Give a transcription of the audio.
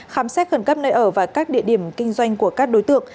khám xét khẩn cấp nơi ở và các địa điểm kinh doanh của các đối tượng